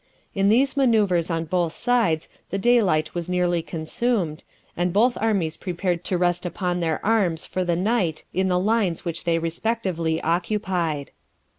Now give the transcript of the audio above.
In these manoeuvres on both sides the daylight was nearly consumed, and both armies prepared to rest upon their arms for the night in the lines which they respectively occupied.